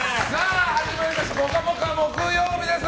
始まりました「ぽかぽか」木曜日です。